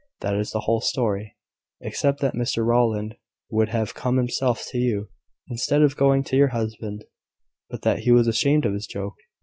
That is the whole story, except that Mr Rowland would have come himself to you, instead of going to your husband, but that he was ashamed of his joke.